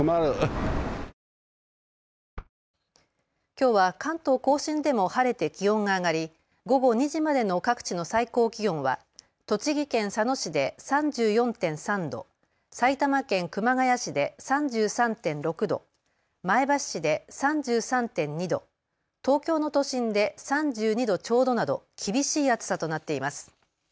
きょうは関東甲信でも晴れて気温が上がり午後２時までの各地の最高気温は栃木県佐野市で３４．３度、埼玉県熊谷市で３３．６度、前橋市で３３．２度、東京の都心で３２度ちょうどなど厳しい暑さとなっています。